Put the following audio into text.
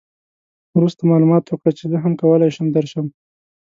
وروسته معلومات وکړه چې زه هم کولای شم درشم.